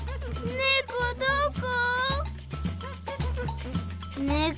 ねこどこ？